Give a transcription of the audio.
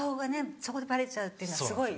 そこでバレちゃうっていうのがすごい。